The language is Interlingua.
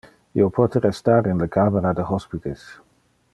Io pote restar in le camera de hospites.